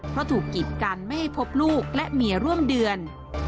เพราะถูกกิดกันไม่ให้พบลูกและเมียร่วมเดือน